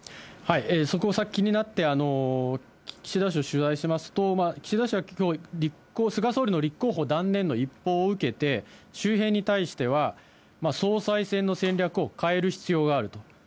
そこを気になって、岸田氏を取材しますと、岸田氏はきょう、菅総理の立候補断念の一報を受けて、周辺に対しては、総裁選の戦略を変える必要があると。